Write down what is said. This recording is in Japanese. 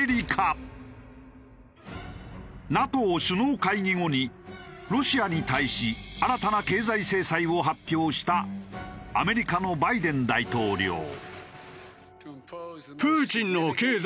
ＮＡＴＯ首脳会議後にロシアに対し新たな経済制裁を発表したアメリカのバイデン大統領。